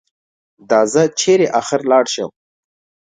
دا زه چېرې اخر لاړ شم؟